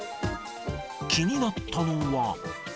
気になったのは。